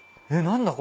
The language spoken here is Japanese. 何だ？